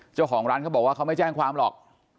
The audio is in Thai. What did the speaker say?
เจ้าของร้านเขาบอกว่าเขาไม่แจ้งความหรอก